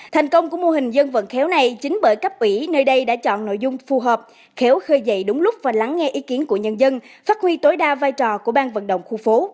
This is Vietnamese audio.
thành công của mô hình dân vận khéo này chính bởi cấp ủy nơi đây đã chọn nội dung phù hợp khéo khơi dậy đúng lúc và lắng nghe ý kiến của nhân dân phát huy tối đa vai trò của bang vận động khu phố